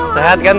sehat kan semua